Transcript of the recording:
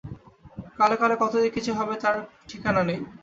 কালে কালে কতই যে কী হবে তার ঠিকানা নেই।